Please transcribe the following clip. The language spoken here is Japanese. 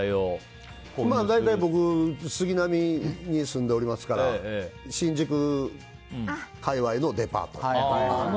大体、僕杉並に住んでおりますから新宿界隈のデパート。